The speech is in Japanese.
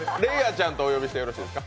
ちゃんとお呼びしてよろしいですか？